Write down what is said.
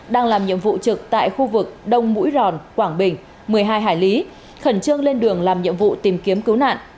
đang làm nhiệm vụ trực tại khu vực đông mũi ròn quảng bình một mươi hai hải lý khẩn trương lên đường làm nhiệm vụ tìm kiếm cứu nạn